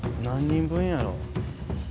何人分やろ？